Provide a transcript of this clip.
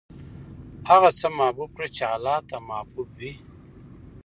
هغه څه محبوب کړه چې اللهﷻ ته محبوب وي.